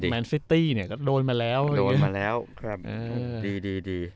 แมนซิตี้เนี่ยก็โดนมาแล้วโดนมาแล้วครับดีดี